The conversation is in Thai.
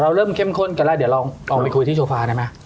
เริ่มเข้มข้นกันแล้วเดี๋ยวลองไปคุยที่โชฟาได้ไหม